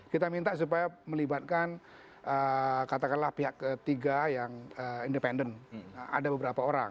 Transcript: kita minta supaya melibatkan katakanlah pihak ketiga yang independen ada beberapa orang